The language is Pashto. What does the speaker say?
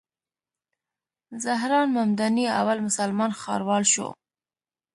زهران ممداني اول مسلمان ښاروال شو.